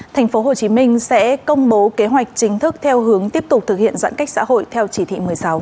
thành phố hồ chí minh sẽ công bố kế hoạch chính thức theo hướng tiếp tục thực hiện giãn cách xã hội theo chỉ thị một mươi sáu